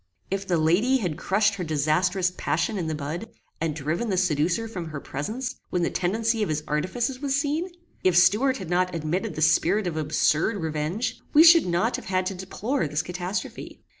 If the lady had crushed her disastrous passion in the bud, and driven the seducer from her presence, when the tendency of his artifices was seen; if Stuart had not admitted the spirit of absurd revenge, we should not have had to deplore this catastrophe.